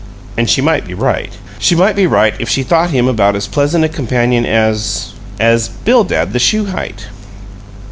And she might be right. She might be right if she thought him about as pleasant a companion as as Bildad the Shuhite!